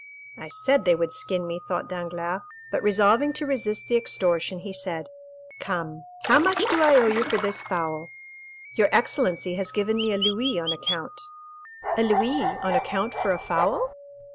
"I said they would skin me," thought Danglars; but resolving to resist the extortion, he said, "Come, how much do I owe you for this fowl?" "Your excellency has given me a louis on account." "A louis on account for a fowl?"